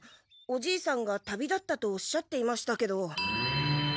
おじいさんが旅立ったとおっしゃっていましたけど。